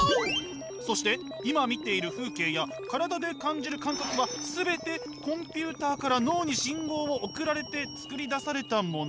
そして今見ている風景や体で感じる感覚はコンピューターから脳に信号を送られて作り出されたもの。